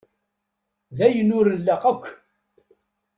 D ayen ur nlaq akk.